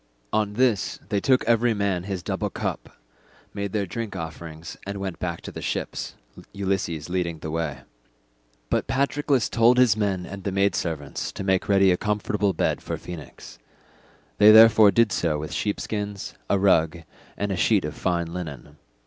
On this they took every man his double cup, made their drink offerings, and went back to the ships, Ulysses leading the way. But Patroclus told his men and the maid servants to make ready a comfortable bed for Phoenix; they therefore did so with sheepskins, a rug, and a sheet of fine linen.